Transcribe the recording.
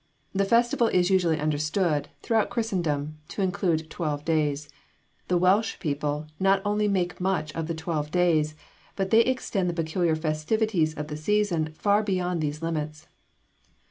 The festival is usually understood, throughout Christendom, to include twelve days; the Welsh people not only make much of the twelve days, but they extend the peculiar festivities of the season far beyond those limits.